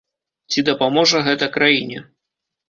Ці дапаможа гэта краіне?